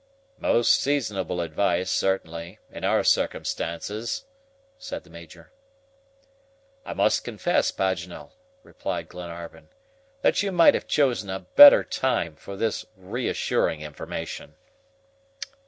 "Most seasonable advice, certainly, in our circumstances," said the Major. "I must confess, Paganel," replied Glenarvan, "that you might have chosen a better time for this reassuring information."